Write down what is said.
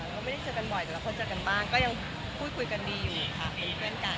ก็ไม่ได้เจอกันบ่อยแต่ละคนเจอกันบ้างก็ยังพูดคุยกันดีอยู่ค่ะมีเพื่อนกัน